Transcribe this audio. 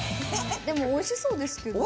でもおいしそうですけどね。